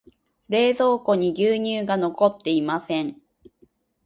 冷蔵庫に牛乳が残っていません。